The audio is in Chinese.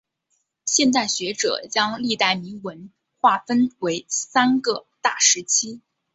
现代学者将历代铭文划分为三个大时期。